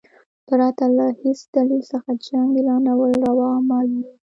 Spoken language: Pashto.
پرته له هیڅ دلیل څخه جنګ اعلانول روا عمل وو.